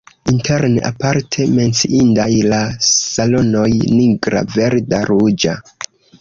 Interne aparte menciindaj la salonoj nigra, verda, ruĝa.